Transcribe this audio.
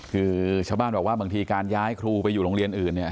คือชาวบ้านบอกว่าบางทีการย้ายครูไปอยู่โรงเรียนอื่นเนี่ย